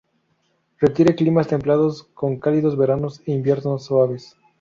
Requiere climas templados, con cálidos veranos e inviernos suaves.